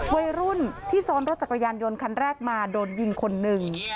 วัยรุ่นที่ซ้อนรถจักรยานยนต์คันแรกมาโดนยิงคนหนึ่ง